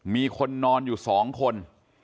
มีคนนอนอยู่๒คน